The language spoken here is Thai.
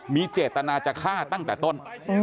มีเจตนาจะฆ่าตั้งแต่ต้น